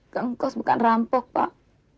kang ngkos bukan rampok pak